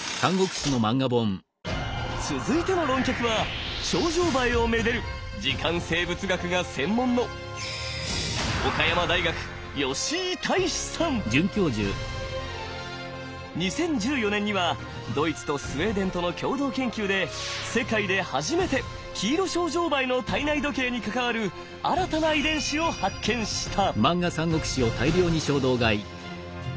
続いての論客はショウジョウバエをめでる時間生物学が専門の２０１４年にはドイツとスウェーデンとの共同研究で世界で初めてキイロショウジョウバエの体内時計に関わる新たな遺伝子を発見した！